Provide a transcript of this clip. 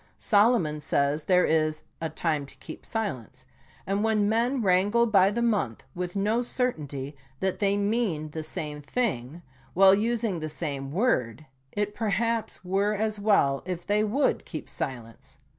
Solomon says there is " a time to keep silence," and when men wrangle by the month with no certainty that they mean the same thing, while using the same word, it per haps were as well if they would keep silence.